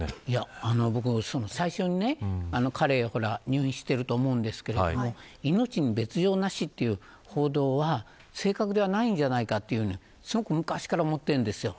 最初に彼は入院していると思いますが命に別条なしという報道は正確ではないんじゃないかと昔から思っているんです。